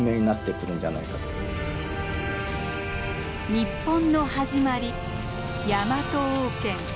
日本の始まりヤマト王権。